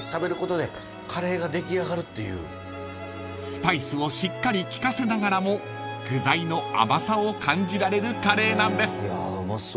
［スパイスをしっかり利かせながらも具材の甘さを感じられるカレーなんです］